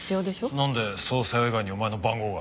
なんで捜査用以外にお前の番号が？